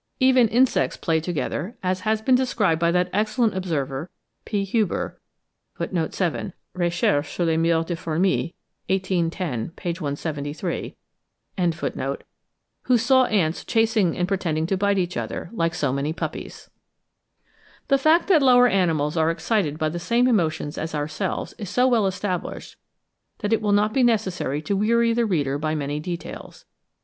Even insects play together, as has been described by that excellent observer, P. Huber (7. 'Recherches sur les Moeurs des Fourmis,' 1810, p. 173.), who saw ants chasing and pretending to bite each other, like so many puppies. The fact that the lower animals are excited by the same emotions as ourselves is so well established, that it will not be necessary to weary the reader by many details.